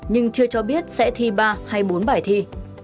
nhưng chưa cho biết sẽ thi ba hay bốn bài thi